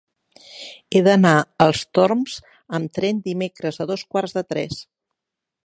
He d'anar als Torms amb tren dimecres a dos quarts de tres.